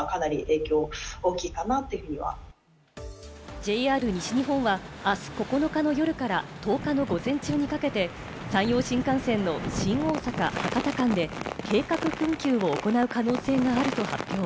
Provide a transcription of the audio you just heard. ＪＲ西日本はあす９日の夜から１０日の午前中にかけて、山陽新幹線の新大阪ー博多間で計画運休を行う可能性があると発表。